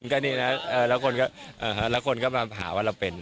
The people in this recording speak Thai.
ก็นี่นะแล้วคนก็มาหาว่าเราเป็น